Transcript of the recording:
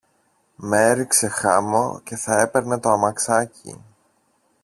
με έριξε χάμω και θα έπαιρνε το αμαξάκι